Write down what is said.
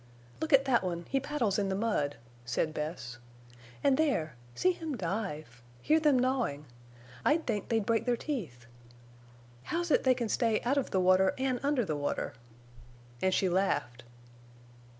"Look at that one—he puddles in the mud," said Bess. "And there! See him dive! Hear them gnawing! I'd think they'd break their teeth. How's it they can stay out of the water and under the water?" And she laughed.